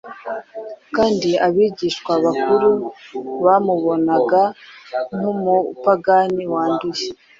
kandi abigisha bakuru bamubonaga nk’umupagani wanduye.